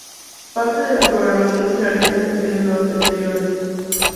Parte de la programación se realiza en los exteriores.